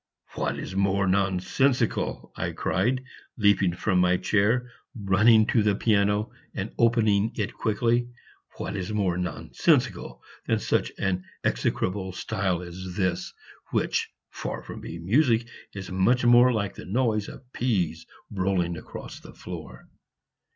"What is more nonsensical," I cried, leaping from my chair, running to the piano, and opening it quickly "what is more nonsensical than such an execrable style as this, which, far from being music, is much more like the noise of peas rolling across the floor?"